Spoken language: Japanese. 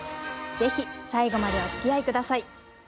ぜひ最後までおつきあい下さい。